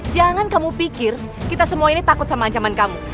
jangan kamu pikir kita semua ini takut sama ancaman kamu